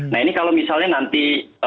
nah ini kalau misalnya nanti